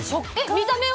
見た目は？